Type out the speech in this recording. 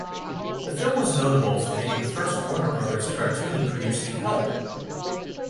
The film is notable for being the first Warner Brothers cartoon produced in color.